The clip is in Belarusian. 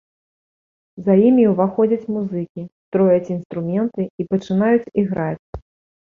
За імі ўваходзяць музыкі, строяць інструменты і пачынаюць іграць.